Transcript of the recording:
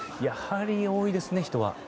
やはり多いですね、人は。